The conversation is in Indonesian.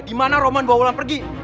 dimana roman bawa wulan pergi